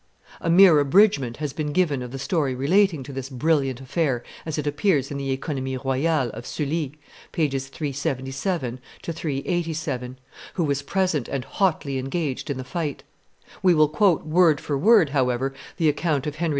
A mere abridgment has been given of the story relating to this brilliant affair as it appears in the (OEconomies Royales of Sully [t. ii. pp. 377 387], who was present and hotly engaged in the fight. We will quote word for word, however, the account of Henry IV.